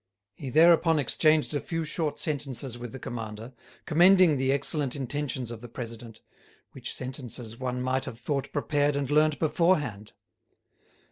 He thereupon exchanged a few short sentences with the commander, commending the excellent intentions of the President, which sentences one might have thought prepared and learnt beforehand.